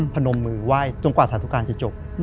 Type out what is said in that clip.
พนมมือไหว้จนกว่าสาธุการณ์จะจบ